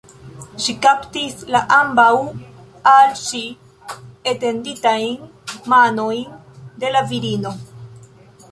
Ŝi kaptis la ambaŭ al ŝi etenditajn manojn de la virino.